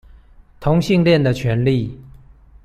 同性戀的權利